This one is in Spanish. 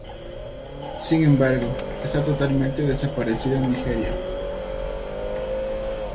Sin embargo, está totalmente desaparecida en Nigeria.